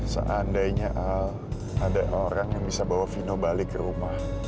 seandainya ada orang yang bisa bawa vino balik ke rumah